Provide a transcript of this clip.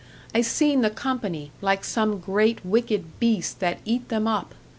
I seen the company, like some great wicked beast that eat them up.